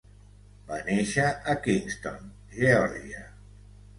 Va néixer a Kingston, Geòrgia.